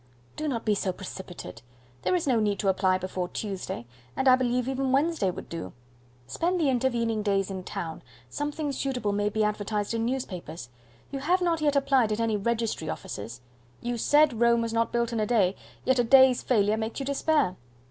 "Do not be so precipitate; there is no need to apply before Tuesday, and I believe even Wednesday would do. Spend the intervening days in town; something suitable may be advertised in newspapers. You have not yet applied at any registry offices. You said Rome was not built in a day, yet a day's failure makes you despair.